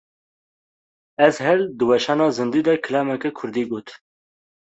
Ezhel di weşana zindî de kilameke kurdî got.